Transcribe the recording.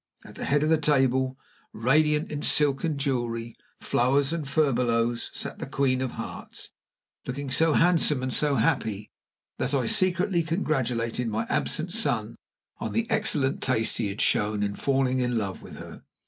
At the head of the table, radiant in silk and jewelry, flowers and furbelows, sat The Queen of Hearts, looking so handsome and so happy that I secretly congratulated my absent son on the excellent taste he had shown in falling in love with her.